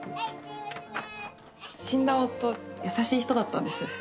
死んだ夫優しい人だったんです。